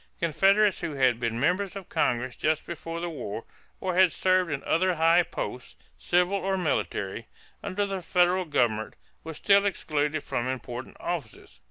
Confederates who had been members of Congress just before the war, or had served in other high posts, civil or military, under the federal government, were still excluded from important offices.